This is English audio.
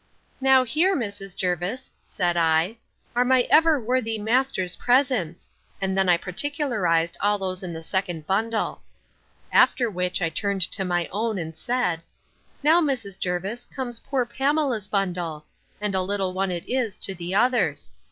Now here, Mrs. Jervis, said I, are my ever worthy master's presents; and then I particularised all those in the second bundle. After which, I turned to my own, and said, Now, Mrs. Jervis, comes poor Pamela's bundle; and a little one it is to the others.